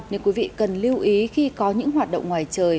nên quý vị cần lưu ý khi có những hoạt động ngoài trời